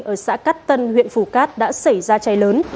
ở xã cát tân huyện phù cát đã xảy ra cháy lớn